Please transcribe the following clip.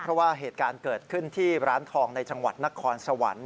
เพราะว่าเหตุการณ์เกิดขึ้นที่ร้านทองในจังหวัดนครสวรรค์